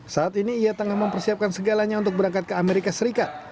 saat ini ia tengah mempersiapkan segalanya untuk berangkat ke amerika serikat